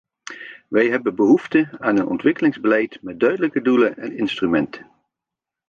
We hebben behoefte aan een ontwikkelingsbeleid met duidelijke doelen en instrumenten.